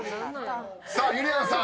［さあゆりやんさん